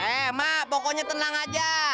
eh mak pokoknya tenang aja